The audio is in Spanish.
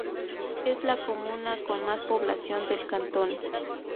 Es la comuna con más población del cantón.